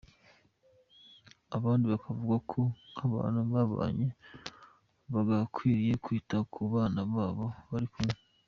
Abandi bakavuga ko nk’abantu babanye bagakwiye kwita ku bana babo bari kumwe.